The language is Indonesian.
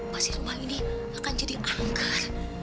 pasti rumah ini akan jadi angker